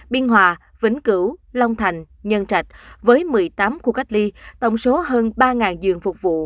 biên hòa vĩnh cửu long thành nhân trạch với một mươi tám khu cách ly tổng số hơn ba giường phục vụ